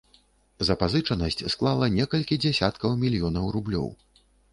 Запазычанасць склала некалькі дзясяткаў мільёнаў рублёў.